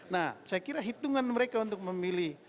nah saya kira hitungan mereka untuk memilih